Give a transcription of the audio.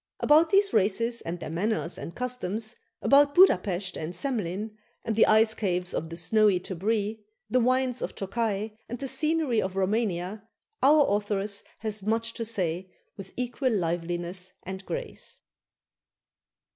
About these races, and their manners and customs about Buda Pesth and Semlin, and the ice caves of the snowy Tabree, and the wines of Tokay, and the scenery of Romania, our authoress has much to say with equal liveliness and grace.